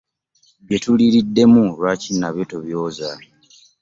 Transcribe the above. Bye tuliiriddemu lwaki nabyo tobyoza?